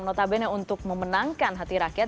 notabene untuk memenangkan hati rakyat